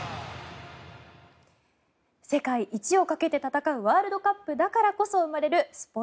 世界一をかけて戦うワールドカップだからこそ生まれるスポ